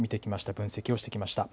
分析をしてきました。